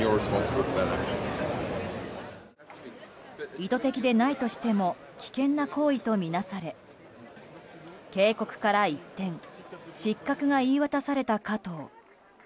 意図的でないとしても危険な行為とみなされ警告から一転失格が言い渡された加藤。